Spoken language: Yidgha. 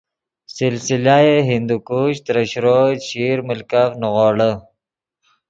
سلسلہ ہندوکش ترے شروئے، چیشیر ملکف نیغوڑے